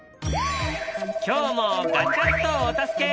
今日もガチャっとお助け！